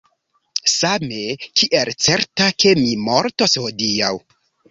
Same, kiel certa, ke mi mortos hodiaŭ.